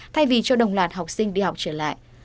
thay vì cho đồng lạt học sinh đi học trở lại